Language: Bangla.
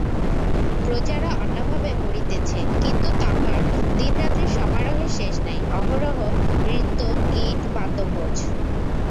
প্রজারা অন্নাভাবে মরিতেছে, কিন্তু তাঁহার দিনরাত্রি সমারোহের শেষ নাই–অহরহ নৃত্য গীত বাদ্য ভোজ।